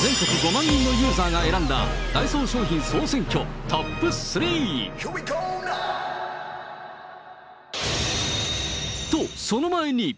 全国５万人のユーザーが選んだダイソー商品総選挙トップ３。と、その前に。